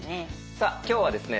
さあ今日はですね